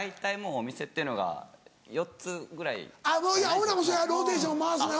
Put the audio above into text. おいらもそうやローテーション回すねん。